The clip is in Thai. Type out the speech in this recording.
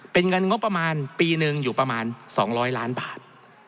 เป็นเงินงบประมาณปีหนึ่งอยู่ประมาณ๒๐๐ล้านบาท